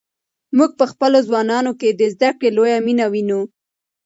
موږ په خپلو ځوانانو کې د زده کړې لویه مینه وینو.